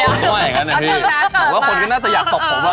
เอาจังนะนะพี่แต่ว่าคนก็น่าจะอยากตบผมว่ะ